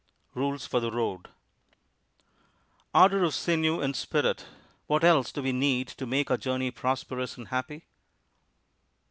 RULES FOR THE ROAD Ardor of sinew and spirit what else do we need to make our journey prosperous and happy?